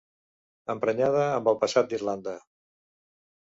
Emprenyada amb el passat d'Irlanda.